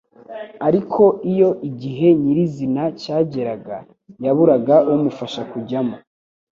Ariko iyo igihe nyirizina cyageraga, yaburaga umufasha kujyamo